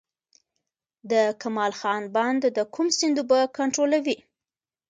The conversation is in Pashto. د کمال خان بند د کوم سیند اوبه کنټرولوي؟